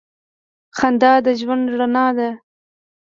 • خندا د ژوند رڼا ده.